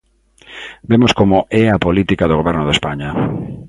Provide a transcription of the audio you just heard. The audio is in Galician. Vemos como é a política do Goberno de España.